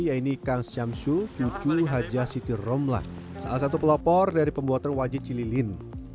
yaini kang syamsu cucu haja situr omlah salah satu pelopor dari pembuatan wajit cililin